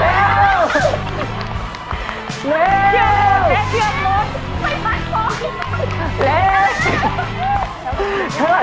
เป็นเมื่อไหร่แล้วเหรอแม่ขอยกนะ